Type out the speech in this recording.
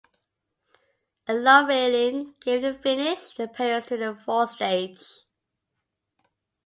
A low railing gave a finished appearance to the forestage.